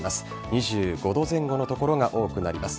２５度前後の所が多くなります。